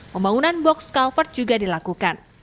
pembangunan box culvert juga dilakukan